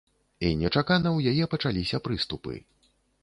І нечакана ў яе пачаліся прыступы.